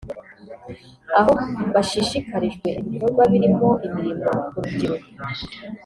aho bashishikarijwe ibikorwa birimo imirimo ku rubyiruko